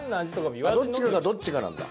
どっちかがどっちかなんだ？